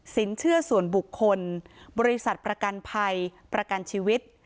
เชื่อส่วนบุคคลบริษัทประกันภัยประกันชีวิต